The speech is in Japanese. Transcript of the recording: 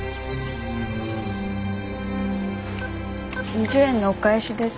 ２０円のお返しです。